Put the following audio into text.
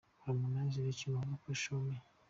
Harmonize X Rich Mavoko - Show Me.